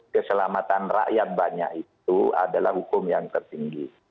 keselamatan rakyat banyak itu adalah hukum yang tertinggi